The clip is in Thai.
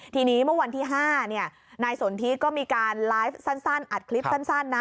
ทีนี้เมื่อวันที่๕นายสนทิก็มีการไลฟ์สั้นอัดคลิปสั้นนะ